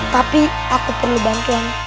tapi aku perlu bantuan